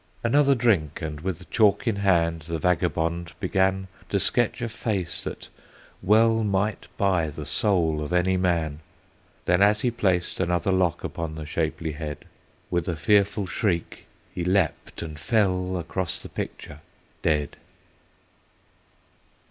Another drink, and with chalk in hand, the vagabond began To sketch a face that well might buy the soul of any man. Then, as he placed another lock upon the shapely head, With a fearful shriek, he leaped and fell across the picture dead.